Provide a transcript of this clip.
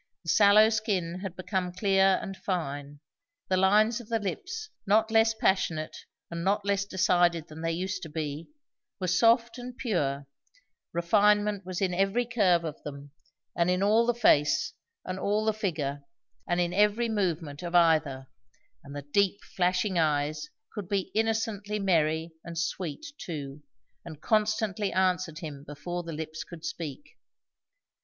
The sallow skin had become clear and fine; the lines of the lips, not less passionate and not less decided than they used to be, were soft and pure; refinement was in every curve of them, and in all the face, and all the figure, and in every movement of either; and the deep, flashing eyes could be innocently merry and sweet too, and constantly answered him before the lips could speak.